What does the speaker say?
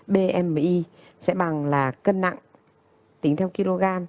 bmi sẽ bằng là cân nặng tính theo kg